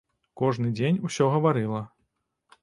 Кожны дзень усё гаварыла.